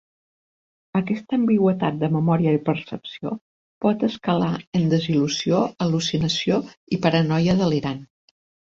Aquesta ambigüitat de memòria i percepció pot escalar en desil·lusió, al·lucinació i paranoia delirant.